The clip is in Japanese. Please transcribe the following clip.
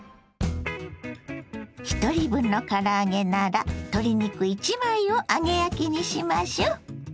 ひとり分のから揚げなら鶏肉１枚を揚げ焼きにしましょう。